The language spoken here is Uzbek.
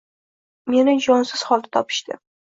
Meni jonsiz holda topishdi.